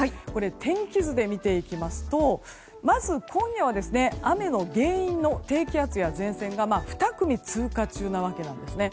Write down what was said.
天気図で見ていきますとまず今夜は、雨の原因の低気圧や前線が２組通過中なわけですね。